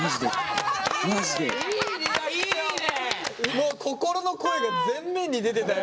もう心の声が前面に出てたよ